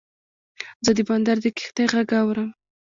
زه د بندر د کښتۍ غږ اورم.